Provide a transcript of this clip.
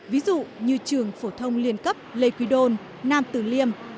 ví dụ như trường phổ thông liên cấp lê quý đôn nam tử liêm